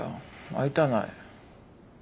会いたない。